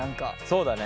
そうだね。